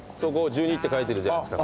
１２って書いてるじゃないですか。